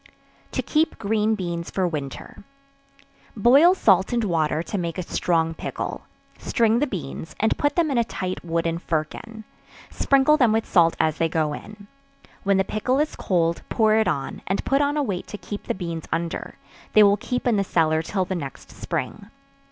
To Keep Green Beans for Winter. Boil salt and water to make a strong pickle; string the beans, and put them in a tight wooden firkin; sprinkle them with salt as they go in; when the pickle is cold, pour it on, and put on a weight to keep the beans under; they will keep in the cellar till the next spring.